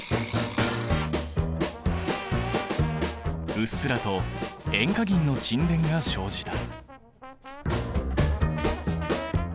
うっすらと塩化銀の沈殿が生じた。